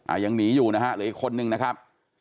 ยังหนีอยู่นะฮะหรืออีกคนนึงนะครับ